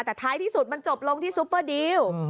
แต่ท้ายที่สุดมันจบลงที่ซูเปอร์ดีล